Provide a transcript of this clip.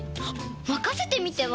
まかせてみては？